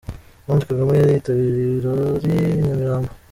Ange Kagame yari yitabiriye ibirori i Nyamirambo.